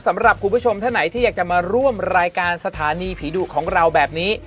สำหรับคุณผู้ชมท่านไหนที่อยากจะมาร่วมรายการสถานีผีดุของเราแบบนี้